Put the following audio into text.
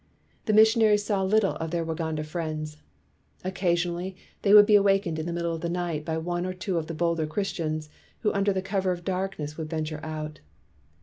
The missionaries saw little of their Waganda friends. Occasionally they would be awak ened in the middle of the night by one or two of the bolder Christians who under the cover of darkness would venture out.